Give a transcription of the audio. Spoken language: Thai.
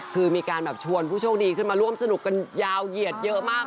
คือมีการแบบชวนผู้โชคดีขึ้นมาร่วมสนุกกันยาวเหยียดเยอะมาก